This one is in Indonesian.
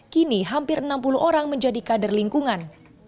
kini hampir enam puluh orang menjadi kader lingkungan